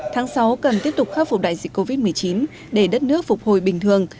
tháng sáu cần tiếp tục khắc phục đại dịch covid một mươi chín để đất nước phục hồi bình thường